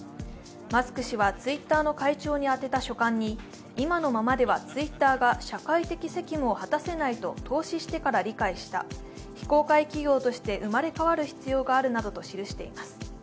マスク氏はツイッターの会長に宛てた書簡に今のままではツイッターが社会的責務を果たせないと投資してから理解した、非公開企業として生まれ変わる必要があるなどと記しています。